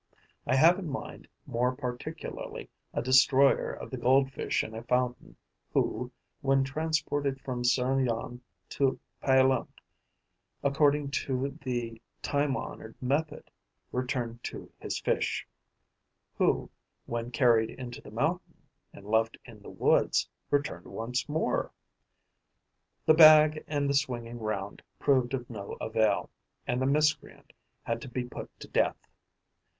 I have in mind more particularly a destroyer of the Goldfish in a fountain, who, when transported from Serignan to Piolenc, according to the time honoured method, returned to his fish; who, when carried into the mountain and left in the woods, returned once more. The bag and the swinging round proved of no avail; and the miscreant had to be put to death.